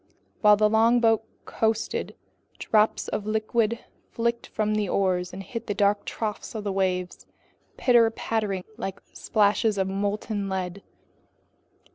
While the longboat coasted, drops of liquid flicked from the oars and hit the dark troughs of the waves, pitter pattering like splashes of molten lead.